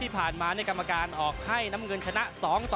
ที่ผ่านมาในกรรมาการออกให้น้ำเงินชนะสองต่อ